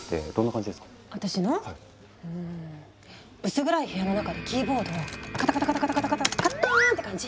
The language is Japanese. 薄暗い部屋の中でキーボードをカタカタカタカタカタカッターン！って感じ？